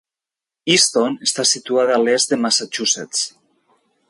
Easton està situada a l'est de Massachusetts.